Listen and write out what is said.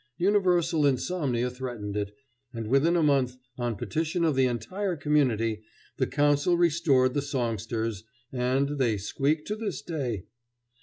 Universal insomnia threatened it; and within a month, on petition of the entire community, the council restored the songsters, and they squeak to this day.